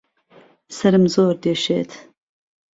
سەرم زۆر دێشێت